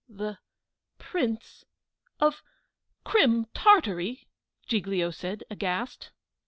"The Prince of Crim Tartary!" Giglio said, aghast.